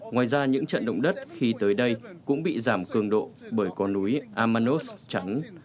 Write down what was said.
ngoài ra những trận động đất khi tới đây cũng bị giảm cường độ bởi có núi amanos trắng